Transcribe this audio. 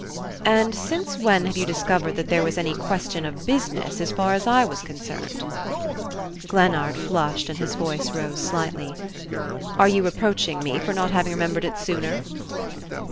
"And since when have you discovered that there was any question of business, as far as I was concerned?" Glennard flushed and his voice rose slightly. "Are you reproaching me for not having remembered it sooner?"